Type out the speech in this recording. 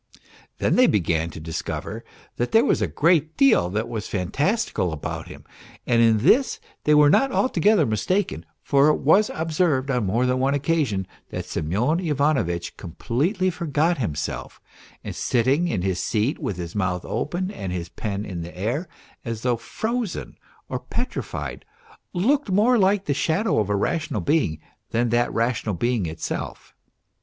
Then they began to discover that there was a great deal that was fantastical about him, and in this they were not altogether mistaken, for it was observed on more than one occasion that Semyon Ivanovitch completely forgot himself, and sitting in his seat with his mouth open and liis pen in the air, as though frozen or petrified, looked more like the shadow of a rational being than that rational being itself.